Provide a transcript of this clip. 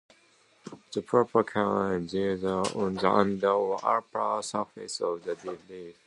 The pupa can be either on the under or upper surface of the leaf.